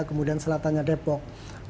kemudian selatannya depok